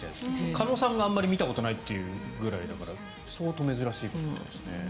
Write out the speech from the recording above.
鹿野さんがあまり見たことないというくらいだから相当珍しいみたいですね。